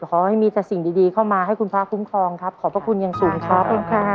ขอให้มีแต่สิ่งดีเข้ามาให้คุณพระคุ้มครองครับขอบพระคุณอย่างสูงครับ